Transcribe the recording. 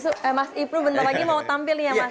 oke mas ipru bentar lagi mau tampil ya mas